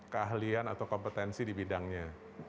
keahlian atau kompetensi di bidangnya